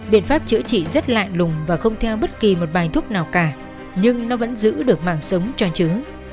biện pháp chữa trị rất lạ lùng và không theo bất kỳ một bài thuốc nào cả nhưng nó vẫn giữ được mạng sống cho chúng